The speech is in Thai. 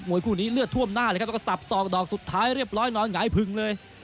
วยคู่นี้เลือดท่วมหน้าเลยครับแล้วก็สับสอกดอกสุดท้ายเรียบร้อยนอนหงายผึงเลย